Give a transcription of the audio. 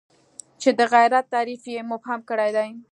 چې د غیرت تعریف یې مبهم کړی دی.